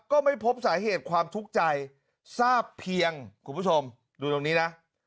ก็ไม่พบสาเหตุความทุกข์ใจทราบเพียงคุณผู้ชมดูตรงนี้นะ